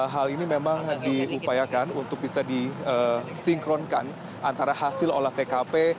hal ini memang diupayakan untuk bisa disinkronkan antara hasil olah tkp